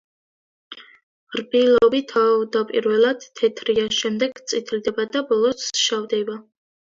რბილობი თავდაპირველად თეთრია, შემდეგ წითლდება და ბოლოს შავდება.